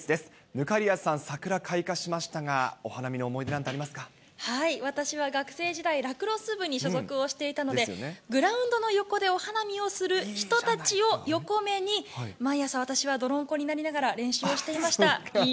忽滑谷さん、桜開花しましたが、私は学生時代、ラクロス部に所属をしていたので、グラウンドの横でお花見をする人たちを横目に、毎朝、私は泥んこになりながら練習をしていました。